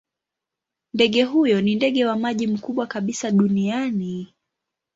Ndege huyo ni ndege wa maji mkubwa kabisa duniani.